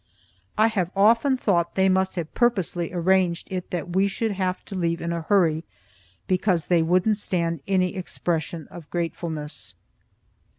I have often thought they must have purposely arranged it that we should have to leave in a hurry, because they wouldn't stand any expression of gratefulness.